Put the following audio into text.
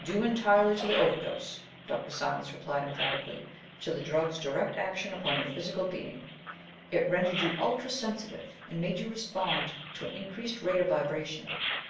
"Due entirely to the overdose," Dr. Silence replied emphatically, "to the drug's direct action upon your psychical being. It rendered you ultra sensitive and made you respond to an increased rate of vibration.